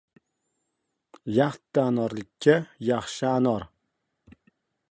— Yaxttti anorlikka yaxshi anor...